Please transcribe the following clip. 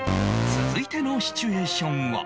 続いてのシチュエーションは